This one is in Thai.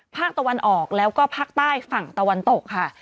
ภาคตะวันออกแล้วก็ภาคใต้ฝั่งตะวันตกค่ะ